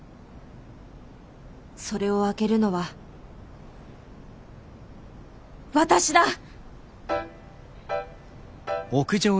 それを開けるのは私だ！